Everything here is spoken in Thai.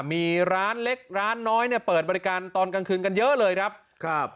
มีร้านเล็กร้านน้อยเนี่ยเปิดบริการตอนกลางคืนกันเยอะเลยครับครับ